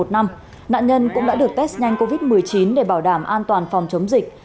nạn nhân cũng đã được test nhanh covid một mươi chín để bảo đảm an toàn phòng chống dịch